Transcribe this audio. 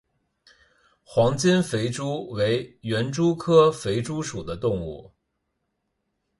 黄金肥蛛为园蛛科肥蛛属的动物。